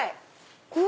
うわ！